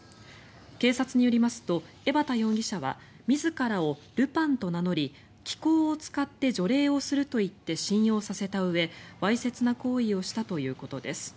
警察によりますと江畑容疑者は自らをルパンと名乗り気功を使って除霊をすると言って信用させたうえわいせつな行為をしたということです。